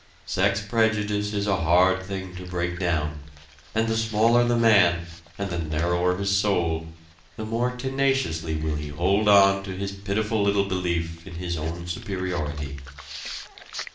Sex prejudice is a hard thing to break down, and the smaller the man, and the narrower his soul, the more tenaciously will he hold on to his pitiful little belief in his own superiority.